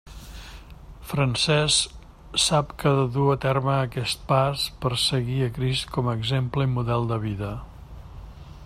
Francesc sap que ha de dur a terme aquest pas per seguir a Crist com a exemple i model de vida.